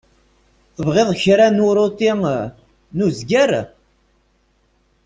Tebɣiḍ kra n uṛuti n uzger?